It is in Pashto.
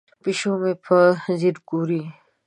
پیشو مې په ځیر ګوري.